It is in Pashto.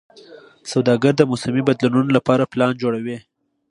سوداګر د موسمي بدلونونو لپاره پلان جوړوي.